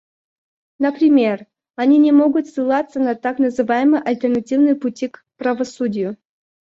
Например, они не могут ссылаться на так называемые альтернативные пути к правосудию.